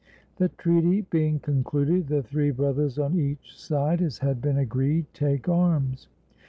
The treaty being concluded, the three brothers on each side, as had been agreed, take arms.